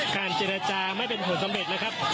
เจรจาไม่เป็นผลสำเร็จนะครับ